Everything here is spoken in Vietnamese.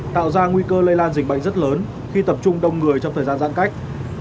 tạo ra nguy cơ lây lan dịch bệnh rất lớn khi tập trung đông người trong thời gian giãn cách